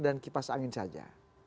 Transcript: dan kipas angin saja